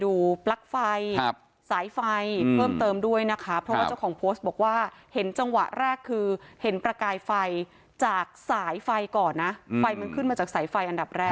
อื้มเราก็ต้องย้อนกลับไปดูปลั๊กไฟ